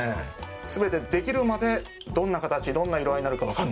全てできるまでどんな形どんな色合いになるか分かんないっていうか。